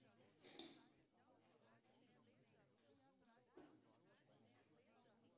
Oan de ein fan it stik wurdt dúdlik wêrom de soan syn mem hatet.